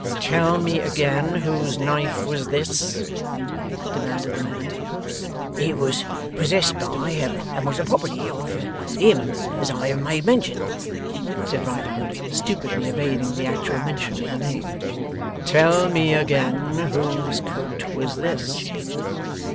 'Tell me again whose knife was this?' demanded the man. 'It was possessed by, and was the property of him as I have made mention on,' said Riderhood, stupidly evading the actual mention of the name. 'Tell me again whose coat was this?